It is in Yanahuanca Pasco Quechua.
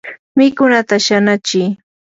mikunata shanachi.